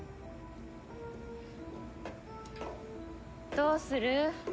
どうする？